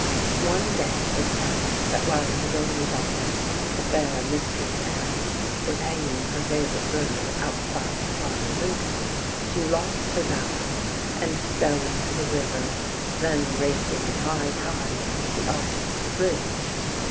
One day it chanced that while his only daughter, the fair "Mistress Anne," was hanging her favourite bird outside the parlour window she lost her balance and fell into the river, then racing in high tide under the arches of the bridge.